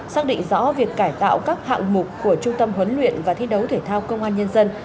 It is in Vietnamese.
xác định rõ việc cải tạo các hạng mục của trung tâm huấn luyện và thi đấu thể thao công an nhân dân